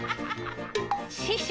師匠